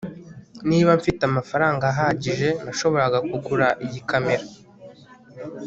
Niba mfite amafaranga ahagije nashoboraga kugura iyi kamera